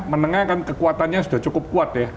menengah kan kekuatannya sudah cukup kuat ya